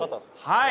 はい。